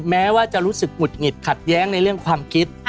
แม้ว่าจะรู้สึกหงุดหงิดขัดแย้งในเรื่องความคิด